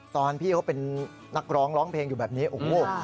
ตอนพี่เขาเป็นนักร้องร้องเพลงอยู่แบบนี้โอ้โห